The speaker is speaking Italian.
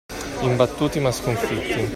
Imbattuti, ma sconfitti.